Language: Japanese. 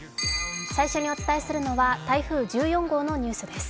最初にお伝えするのは、台風１４号のニュースです。